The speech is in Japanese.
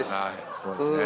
そうですね。